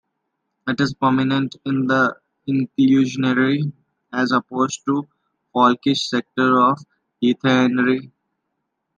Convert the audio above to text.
It is prominent in the inclusionary, as opposed to folkish sector of heathenry.